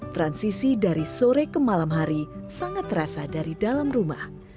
transisi dari sore ke malam hari sangat terasa dari dalam rumah